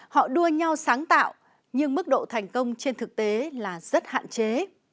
họ đua nhau sáng tạo nhưng mức độ thành công trên thực tế là rất hạn chế